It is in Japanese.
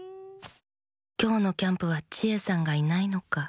「きょうのキャンプはチエさんがいないのか。